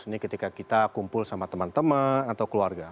ini ketika kita kumpul sama teman teman atau keluarga